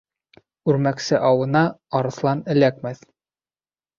Үрмәксе ауына арыҫлан эләкмәҫ.